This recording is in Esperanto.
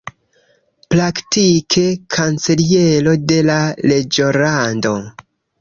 Praktike kanceliero de la reĝolando.